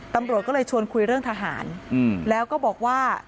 ตำรวจก็เลยชวนคุยเรื่องทหารแล้วก็บอกว่า